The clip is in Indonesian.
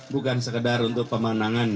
bukan sekedar untuk pemenangan